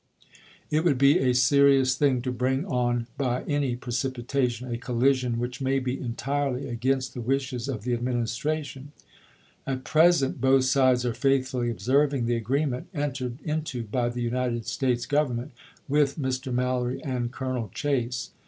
It would be a serious thing to bring on by any precipitation a collision which may be entirely against the wishes of the Administration. At present both sides are faithfully observing the agreement en tered into by the United States Government with Mr. Mallory and Colonel Chase.